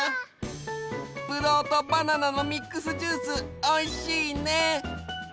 ぶどうとバナナのミックスジュースおいしいね。